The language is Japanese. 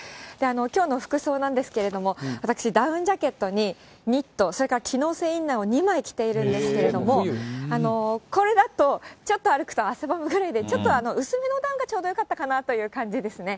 きょうの服装なんですけれども、私、ダウンジャケットにニット、それから機能性インナーを２枚着ているんですけど、これだとちょっと歩くと汗ばむくらいで、ちょっと薄めのダウンがちょうどよかったかなという感じですね。